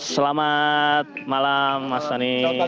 selamat malam mas tony